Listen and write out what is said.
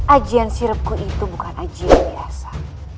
ajen siripku itu bukan ajen biasa